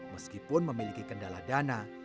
meskipun memiliki kendala dana